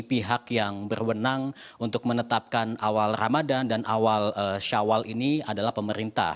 pihak yang berwenang untuk menetapkan awal ramadan dan awal syawal ini adalah pemerintah